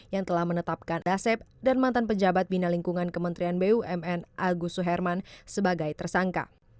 yang telah menetapkan asep dan mantan pejabat bina lingkungan kementerian bumn agus suherman sebagai tersangka